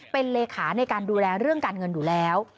เป็นเลขาในการดูแลเรื่องการเงินอยู่แล้ว